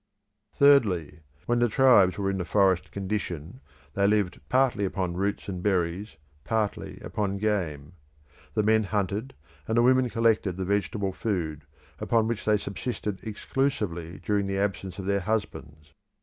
Thirdly, when the tribes were in the forest condition they lived partly upon roots and berries, partly upon game. The men hunted, and the women collected the vegetable food, upon which they subsisted exclusively during the absence of their husbands.